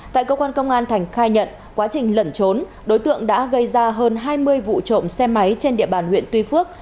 tại cơ quan công an thành khai nhận quá trình lẩn trốn đối tượng đã gây ra hơn hai mươi vụ trộm xe máy trên địa bàn huyện tuy phước